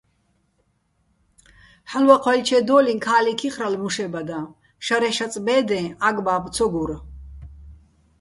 ჰ̦ალო̆ ვაჴვაჲლჩედო́ლიჼ ქა́ლიქ იხრალო̆ მუშებადაჼ, შარე შაწ ბე́დე ა́გ-ბა́ბო̆ ცო გურ.